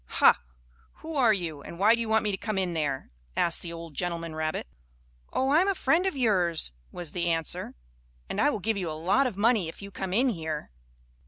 "Ha! Who are you, and why do you want me to come in there?" asked the old gentleman rabbit. "Oh, I am a friend of yours," was the answer, "and I will give you a lot of money if you come in here."